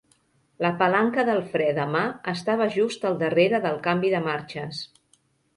La palanca del fre de mà estava just al darrere del canvi de marxes.